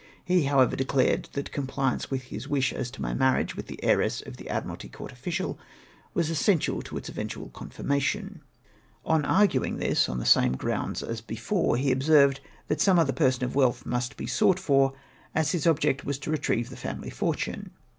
He, however declared, that compliance with his wisli as to my marriage with the heiress of tlie Admiralty Court official was essential to its eventual confirmation. On argumg this, on the same grounds as before, he observed that some other person of wealth must be sought for, as his object was to retrieve the family fortune.